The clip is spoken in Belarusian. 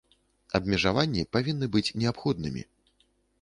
Абмежаванні павінны быць неабходнымі.